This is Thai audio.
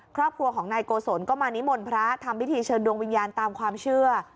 ครอบครัวของนายโกศลก็มานิมนต์พระทำพิธีเชิญดวงวิญญาณตามความเชื่อ